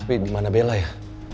tapi dimana bella ya